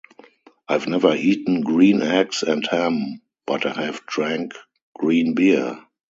I've never eaten green eggs and ham, but I have drank green beer.